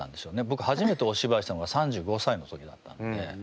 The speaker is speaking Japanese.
ぼく初めておしばいしたのが３５歳の時だったんで。